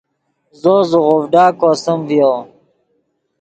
زو زیغوڤڈا کوسیم ڤیو